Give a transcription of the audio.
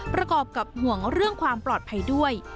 ประกอบกับห่วงเรื่องความปลอดภัยด้วย